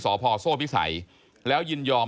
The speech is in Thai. สพโซ่พิสัยแล้วยินยอม